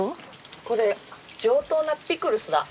これ上等なピクルスだ。